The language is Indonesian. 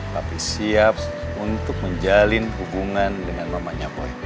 papi siap untuk menjalin hubungan dengan mamanya boy